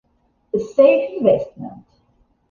A Safe Investment